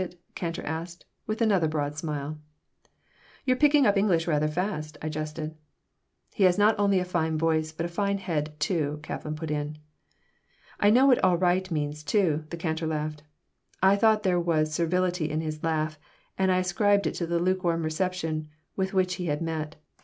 the cantor asked, with another broad smile "You're picking up English rather fast," I jested "He has not only a fine voice, but a fine head, too," Kaplan put in "I know what 'all right' means, too," the cantor laughed. I thought there was servility in his laugh, and I ascribed it to the lukewarm reception with which he had met.